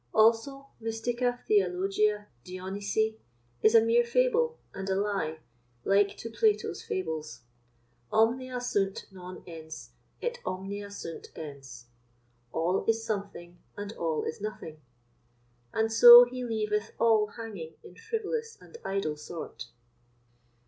Also, Mystica Theologia Dionysii is a mere fable, and a lie, like to Plato's Fables. Omnia sunt non ens, et omnia sunt ens—All is something, and all is nothing; and so he leaveth all hanging in frivolous and idle sort.